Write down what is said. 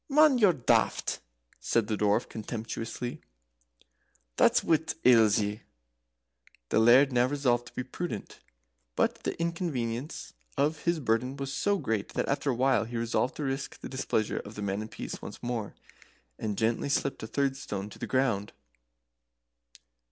[Footnote 5: "Hoast" = cough.] "Man, you're daft," said the Dwarf, contemptuously; "that's what ails ye." The Laird now resolved to be prudent, but the inconvenience of his burden was so great that after a while he resolved to risk the displeasure of the Man of Peace once more, and gently slipped a third stone to the ground.